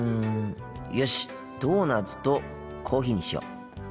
よしっドーナツとコーヒーにしよう。